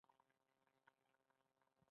جلکۍ ویلوړه په لمونځه ده